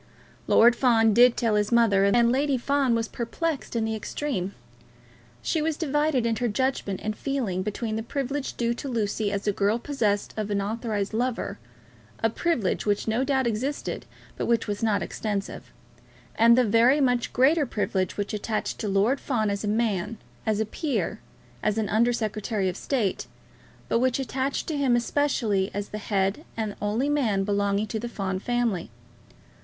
Lord Fawn did tell his mother, and Lady Fawn was perplexed in the extreme. She was divided in her judgment and feelings between the privilege due to Lucy as a girl possessed of an authorised lover, a privilege which no doubt existed, but which was not extensive, and the very much greater privilege which attached to Lord Fawn as a man, as a peer, as an Under Secretary of State, but which attached to him especially as the head and only man belonging to the Fawn family.